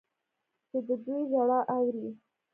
چې د دوی ژړا اوري.